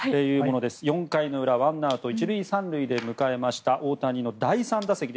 ４回の裏ワンアウト１塁３塁で迎えました大谷の第３打席。